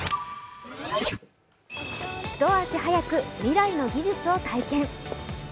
一足早く未来の技術を体験。